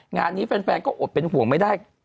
งานนี้แฟนก็อดเป็นห่วงไม่ได้